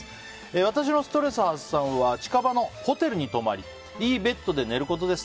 私のストレス発散は近場のホテルに泊まりいいベッドで寝ることです。